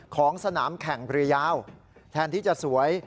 ของสนามแข่งเรือยาวแทนที่จะสวย